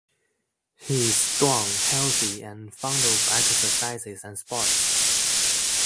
He is strong, healthy, and fond of exercises and sports